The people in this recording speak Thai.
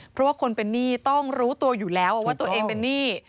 เพราะว่าคนเป็นหนี้ต้องรู้ตัวอยู่แล้วว่าตัวเองเป็นหนี้